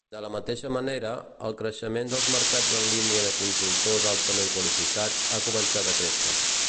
De la mateixa manera, el creixement dels mercats en línia de consultors altament qualificats ha començat a créixer.